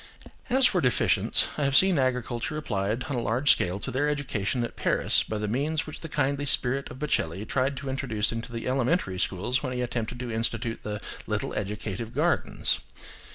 As for deficients, I have seen agriculture applied on a large scale to their education at Paris by the means which the kindly spirit of Baccelli tried to introduce into the elementary schools when he attempted to institute the "little educative gardens."